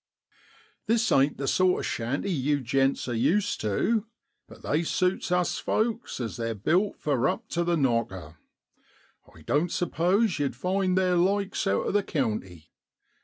' This ain't the sort of shanty yew gents are used tu, but they suits us folks as they're built for up to the knocker. I doan't suppose yow'd find theer likes out o' the county.